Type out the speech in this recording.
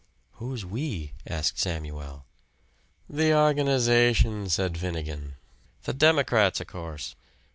"Who's 'we'?" asked Samuel. "The organization," said Finnegan; "the Democrats, o' course.